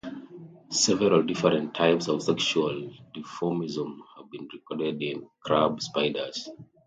Several different types of sexual dimorphism have been recorded in crab spiders.